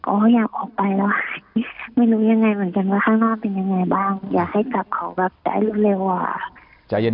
อยากออกไปแล้วไม่รู้ยังไงเหมือนกันว่าข้างหน้าเป็นยังไงบ้างอยากให้กลับเขาแบบได้รวดเร็วกว่าใจเย็น